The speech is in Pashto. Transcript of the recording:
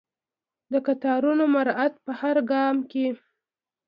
د قطارونو مراعات په هر ګام کې.